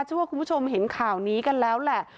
เชื่อว่าคุณผู้ชมเห็นข่าวนี้กันแล้วแหละ